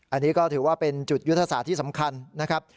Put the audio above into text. อันนี้ก็ถือว่าเป็นจุดยุทธศาสตร์ที่สำคัญนะครับ